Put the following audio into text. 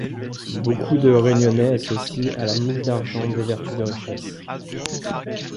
Beaucoup de Réunionnais associent à la mouche d'argent des vertus de richesse.